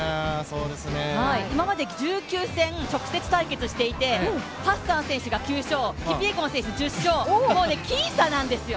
今まで１９戦直接対決していて、ハッサン選手が９勝、キピエゴン選手が１０勝、もう僅差なんですよ。